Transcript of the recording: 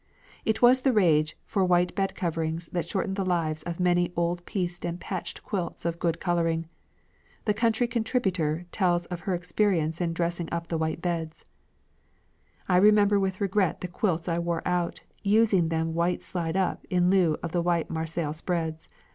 It was the rage for white bed coverings that shortened the lives of many old pieced and patched quilts of good colouring. The "Country Contributor" tells of her experiences in dressing up the white beds: "I remember with regret the quilts I wore out, using them white side up in lieu of white Marseilles spreads.